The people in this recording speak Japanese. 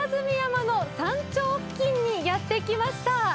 山頂付近にやってきました。